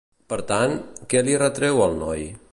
Per tant, què li retreu al noi?